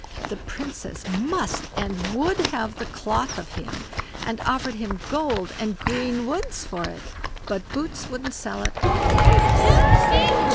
The Princess must and would have the cloth of him, and offered him gold and green woods for it, but Boots wouldn't sell it at any price.